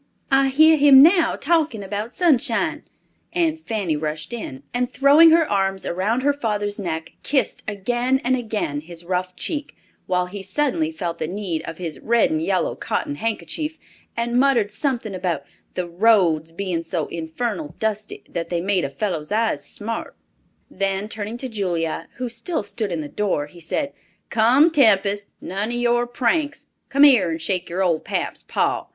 I hear him now talking about Sunshine," and Fanny rushed in, and throwing her arms around her father's neck, kissed again and again his rough cheek, while he suddenly felt the need of his red and yellow cotton handkerchief, and muttered something about the "roads" being so infernal dusty that they made a fellow's eyes smart! Then turning to Julia, who still stood in the door, he said, "Come, Tempest, none of your pranks! Come here and shake your old pap's paw.